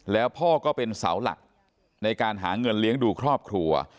แล้วพ่อก็เป็นเสาหลักในการหาเงินเลี้ยงดูครอบครัว